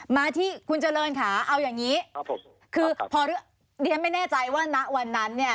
มาที่คุณเจริญค่ะเอาอย่างนี้ครับผมคือพอเรียนไม่แน่ใจว่าณวันนั้นเนี่ย